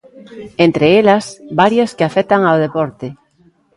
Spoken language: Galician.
Entre elas, varias que afectan ao deporte.